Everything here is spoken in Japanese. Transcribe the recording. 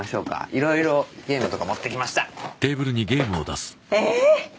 いろいろゲームとか持ってきましたええー？